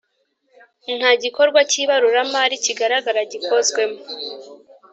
nta gikorwa cy ibaruramari kigaragara gikozwemo